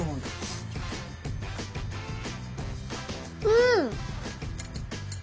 うん！